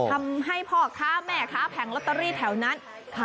ทำให้พ่อค้าแม่ค้าแผงลอตเตอรี่แถวนั้น